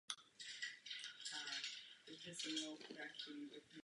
A to budeme očekávat.